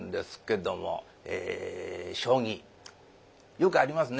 よくありますね。